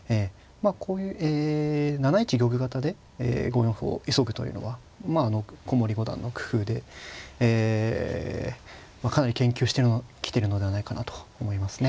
まあこういう７一玉型で５四歩を急ぐというのはまああの古森五段の工夫でえかなり研究してきてるのではないかなと思いますね。